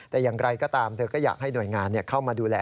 แต่อย่างไรก็ตามเธอก็อยากให้หน่วยงานเข้ามาดูแล